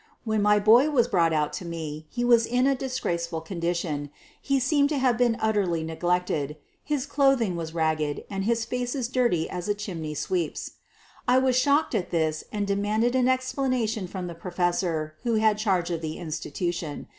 When my boy was brought out to me he was in a disgraceful condition, he seemed to have been ut terly neglected, his clothing was ragged and his face as dirty as a chimney sweep's. I was shocked at this and demanded an explanation from the pro fessor who had charge of the institution.